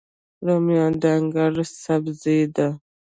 رومیان د انګړ سبزي ده